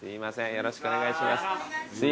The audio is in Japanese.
よろしくお願いします。